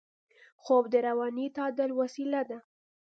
خوب د رواني تعادل وسیله ده